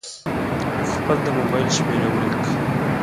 خپل د مبایل شمېره ولیکئ.